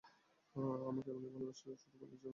আমাকে এমনি ভালোবাসতে শুরু করলে যে, আমাকে ভয় ধরিয়ে দিলে।